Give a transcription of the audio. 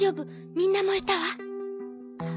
みんな燃えたわ。